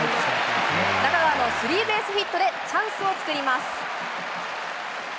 中川のスリーベースヒットでチャンスを作ります。